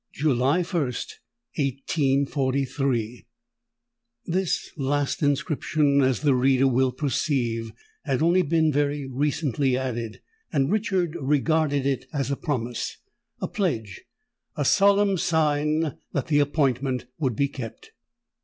July 1st, 1843. This last inscription, as the reader will perceive, had only been very recently added; and Richard regarded it as a promise—a pledge—a solemn sign that the appointment would be kept.